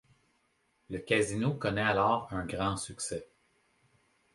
Le casino connait alors un grand succès.